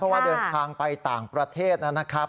เพราะว่าเดินทางไปต่างประเทศนะครับ